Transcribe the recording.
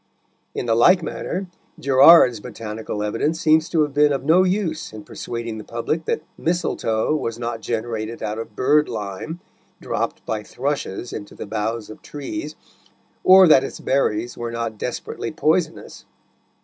In the like manner, Gerard's botanical evidence seems to have been of no use in persuading the public that mistletoe was not generated out of birdlime dropped by thrushes into the boughs of trees, or that its berries were not desperately poisonous.